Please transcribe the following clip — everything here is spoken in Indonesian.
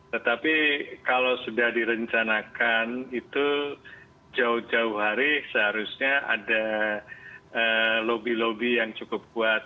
tetapi kalau sudah direncanakan itu jauh jauh hari seharusnya ada lobby lobby yang cukup kuat